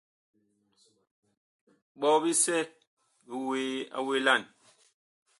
Ɓɔ bisɛ bi wuee a welan.